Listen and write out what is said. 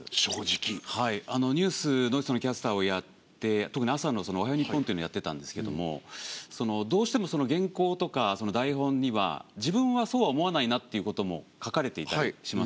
ニュースのキャスターをやって特に朝の「おはよう日本」というのをやってたんですけどもどうしても原稿とか台本には自分はそうは思わないなっていうことも書かれていたりします。